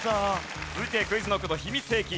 続いてＱｕｉｚＫｎｏｃｋの秘密兵器